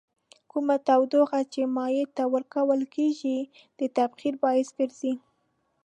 کومه تودوخه چې مایع ته ورکول کیږي د تبخیر باعث ګرځي.